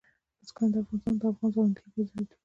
بزګان د افغان ځوانانو د هیلو استازیتوب کوي.